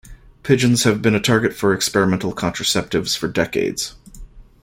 Pigeons have been a target for experimental contraceptives for decades.